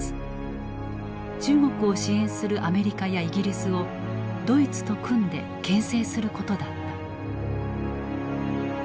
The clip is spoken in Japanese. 中国を支援するアメリカやイギリスをドイツと組んで牽制することだった。